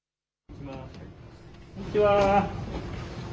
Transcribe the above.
こんにちは。